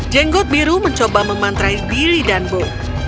jenggot biru mencoba memantrai dilly dan bo